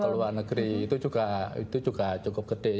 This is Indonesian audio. keluar negeri itu juga cukup gede